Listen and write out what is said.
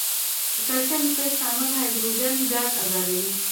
د کلسیم د فلز تعامل هایدروجن ګاز آزادوي.